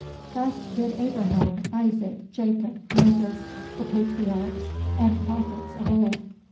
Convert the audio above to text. Thus did Abraham, Isaac, Jacob, Moses, the Patriarchs and Prophets of old.